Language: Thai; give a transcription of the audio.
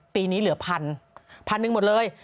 ปีนี้เหลือ๑๐๐๐๑๐๐๐มิลลิเมตรหมดเลย